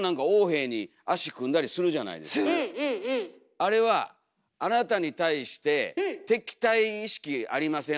あれはあなたに対して敵対意識ありません